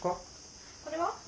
これは？